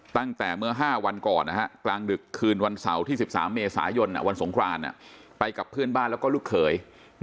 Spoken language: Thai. ตั้งแต่เมื่อ๕วันก่อนกลางดึกคืนวันเสาร์ที่๑๓เมษายนวันสงครานไปกับเพื่อนบ้านแล้วก็ลูกเขย